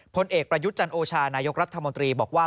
ผลเอกประยุทธ์จันโอชานายกรัฐมนตรีบอกว่า